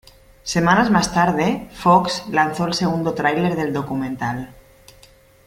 Semanas más tarde, Fox, lanzó el segundo trailer del documental.